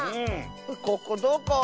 ここどこ？